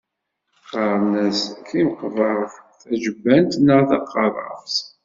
Qqaren-as timeqbert, tajebbant neɣ taqerrabt.